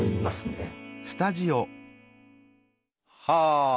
はあ！